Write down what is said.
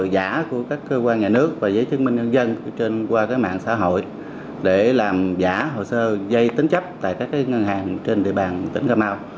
giả của các cơ quan nhà nước và giấy chứng minh nhân dân trên qua mạng xã hội để làm giả hồ sơ dây tính chấp tại các ngân hàng trên địa bàn tỉnh cà mau